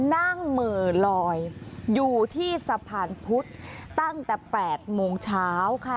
เหมือลอยอยู่ที่สะพานพุธตั้งแต่๘โมงเช้าค่ะ